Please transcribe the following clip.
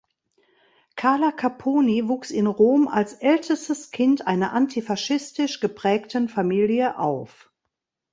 Carla Capponi wuchs in Rom als ältestes Kind einer antifaschistisch geprägten Familie auf.